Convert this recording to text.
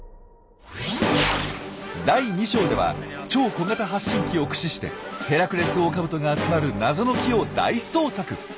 第２章では超小型発信機を駆使してヘラクレスオオカブトが集まる謎の木を大捜索。